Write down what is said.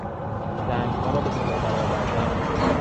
زنگها را به صدا درآوردن